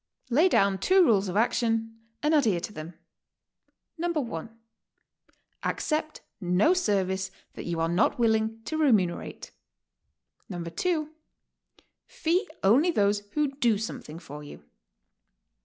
Lay down two rules of action and adhere to them: 1. Accept no service that you are not willing to remu nerate. 2. Fee only those who do something for you.